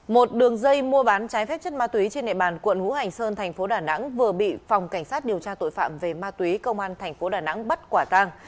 một đường dây mua bán trái phép chất ma túy trên nệm bàn quận hú hành sơn thành phố đà nẵng vừa bị phòng cảnh sát điều tra tội phạm về ma túy công an thành phố đà nẵng bắt quả tàng